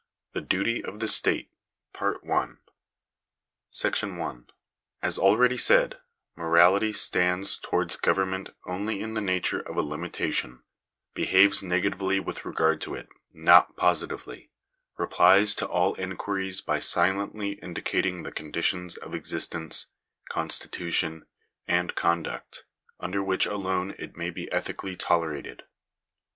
THE DUTY OF THE STATE. § I f As already said (pp. 207 and 208), morality stands towards government only in the nature of a limitation — behaves nega tively with regard to it, not positively — replies to all inquiries by j silently indicating the conditions of existence, constitution, and conduct, under which alone it may be ethically tolerated.